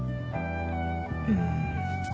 うん。